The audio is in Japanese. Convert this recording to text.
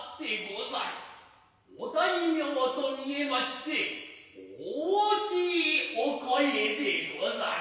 御大名と見えまして大きいお声で御座る。